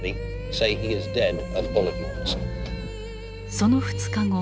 その２日後。